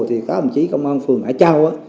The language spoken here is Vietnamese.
thì có một chiếc công an phường hải châu